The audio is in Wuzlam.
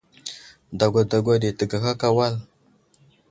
Dagwa dagwa ɗi təgaka aka wal.